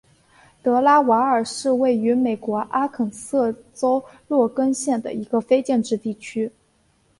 德拉瓦尔是位于美国阿肯色州洛根县的一个非建制地区。